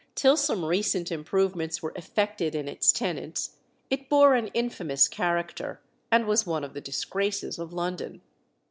Till some recent improvements were effected in its tenants, it bore an infamous character, and was one of the disgraces of London.